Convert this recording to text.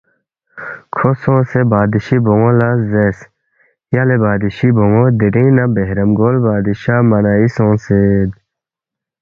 کھو سونگسے بادشی بون٘و لہ زیرس، ”یلے بادشی بون٘و دِرِنگ نہ بہرام گول بادشاہ منائی سونگسید